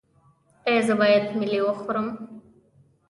ایا زه باید ملی وخورم؟